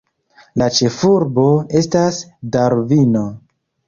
La ĉefurbo estas Darvino.